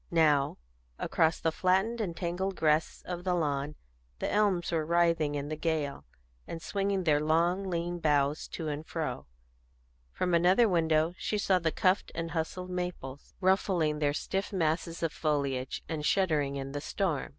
Now across the flattened and tangled grass of the lawn the elms were writhing in the gale, and swinging their long lean boughs to and fro; from another window she saw the cuffed and hustled maples ruffling their stiff masses of foliage, and shuddering in the storm.